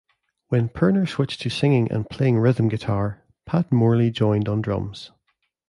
When Pirner switched to singing and playing rhythm guitar, Pat Morley joined on drums.